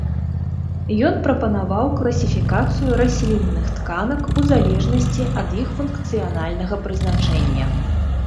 Ён прапанаваў класіфікацыю раслінных тканак у залежнасці ад іх функцыянальнага прызначэння.